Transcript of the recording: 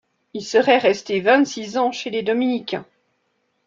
Il serait resté vingt-six ans chez les dominicains.